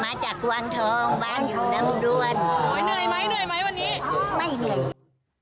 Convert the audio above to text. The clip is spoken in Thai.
มาจากวันทองวันอยู่นำดวน